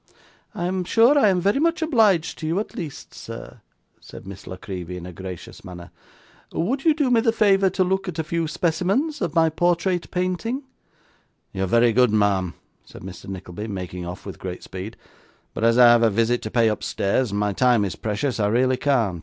'I am sure I am very much obliged to you at least, sir,' said Miss La Creevy in a gracious manner. 'Would you do me the favour to look at a few specimens of my portrait painting?' 'You're very good, ma'am,' said Mr. Nickleby, making off with great speed; 'but as I have a visit to pay upstairs, and my time is precious, I really can't.